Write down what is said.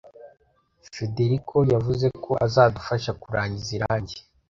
Federico yavuze ko azadufasha kurangiza irangi